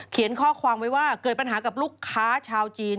ข้อความไว้ว่าเกิดปัญหากับลูกค้าชาวจีน